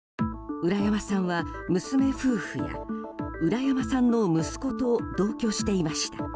浦山さんは、娘夫婦や浦山さんの息子と同居していました。